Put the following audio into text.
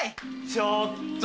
ちょっと！